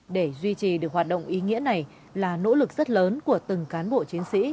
để duy trì được hoạt động ý nghĩa này là nỗ lực rất lớn của từng cán bộ chiến sĩ